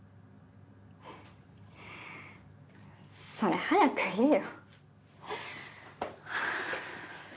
それ早く言えよ。